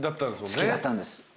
好きだったんです。